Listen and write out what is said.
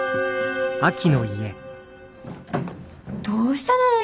どうしたの？